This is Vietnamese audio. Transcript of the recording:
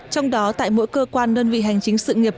trong đó tại mỗi cơ quan đơn vị hành chính sự nghiệp